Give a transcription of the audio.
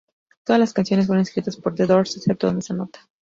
Todas las canciones fueron escritas por The Doors, excepto donde se anota.